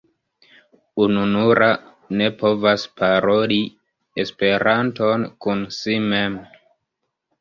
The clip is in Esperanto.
Ununura ne povas paroli Esperanton kun si mem.